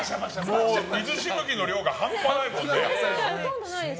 水しぶきの量が半端ないもんね。